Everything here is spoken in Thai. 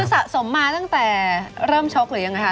คือสะสมมาตั้งแต่เริ่มช็อกหรือยังคะ